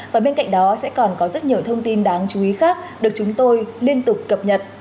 và bên cạnh đó sẽ còn có rất nhiều thông tin đáng chú ý khác được chúng tôi liên tục cập nhật